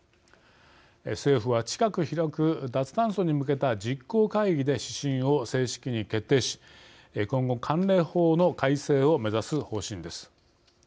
政府は近く開く、脱炭素に向けた実行会議で指針を正式に決定し今後、関連法の改正を目指す方針です。